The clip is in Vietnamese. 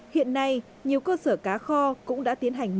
hiện nay nhiều cơ sở cá kho cũng đã tiến hành